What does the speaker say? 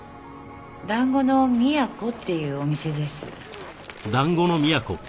「団子のみやこ」っていうお店です。